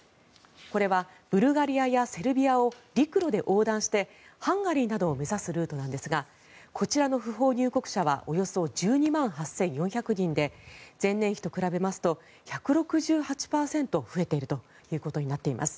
これはブルガリアやセルビアを陸路で横断してハンガリーなどを目指すルートなんですがこちらの不法入国者はおよそ１２万８４００人で前年比と比べますと１６８％増えていることになります。